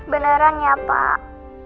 beneran ya pak